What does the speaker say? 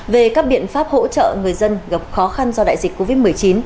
về các biện pháp hỗ trợ người dân gặp khó khăn do đại dịch covid một mươi chín